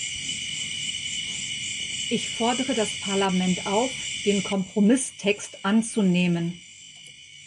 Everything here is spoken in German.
Ich fordere das Parlament auf, den Kompromisstext anzunehmen.